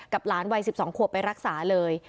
หลานวัย๑๒ขวบไปรักษาเลย